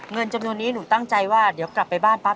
เงินจำนวนนี้หนูตั้งใจว่าเดี๋ยวกลับไปบ้านปั๊